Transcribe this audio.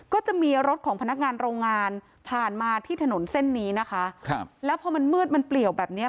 ก็จะมีรถของพนักงานโรงงานผ่านมาที่ถนนเส้นนี้นะคะครับแล้วพอมันมืดมันเปลี่ยวแบบเนี้ย